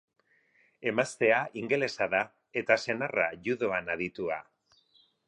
Emaztea ingelesa da eta senarra, judoan aditua.